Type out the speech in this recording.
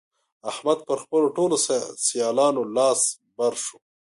احمد پر خپلو ټولو سيالانو لاس بر شو.